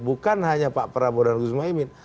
bukan hanya pak prabowo dan gus muhaymin